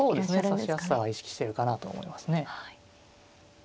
指しやすさは意識してるかなと思いますね。